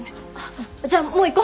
じゃあもう行こ！